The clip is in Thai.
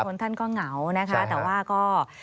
บางคนท่านก็เหงานะครับแต่ว่าก็